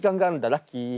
ラッキー！